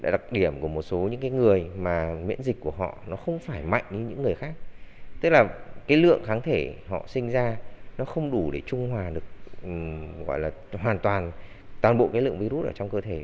đặc điểm của một số những người mà miễn dịch của họ nó không phải mạnh như những người khác tức là cái lượng kháng thể họ sinh ra nó không đủ để trung hòa được gọi là hoàn toàn toàn bộ cái lượng virus ở trong cơ thể